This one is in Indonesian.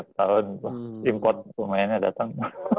setahun impot lumayannya datang